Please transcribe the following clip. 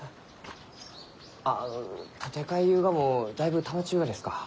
あ立て替えゆうがもだいぶたまっちゅうがですか？